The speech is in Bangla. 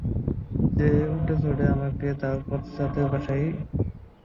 সে উটে চড়ে আমাকে তার পশ্চাতে বসায়।